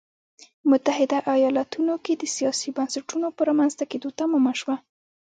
متحده ایالتونو کې د سیاسي بنسټونو په رامنځته کېدو تمامه شوه.